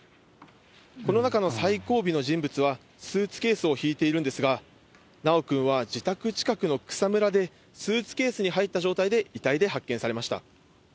この中の最後尾の人物はスーツケースを引いているんですが、修くんは自宅近くの草むらで、スーツケースに入った状態で遺体で発見されました。